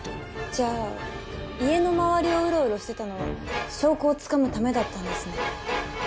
じゃあ家の周りをウロウロしてたのは証拠をつかむためだったんですね。